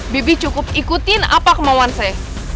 bibi cukup ikutin apa kemauan saya